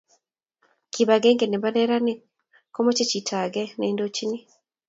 Kibagenge nebo neranik komachei chito age neindochini